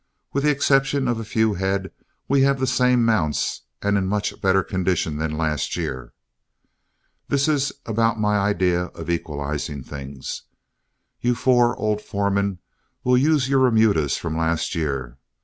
With the exception of a few head, we have the same mounts and in much better condition than last year. This is about my idea of equalizing things. You four old foremen will use your remudas of last year.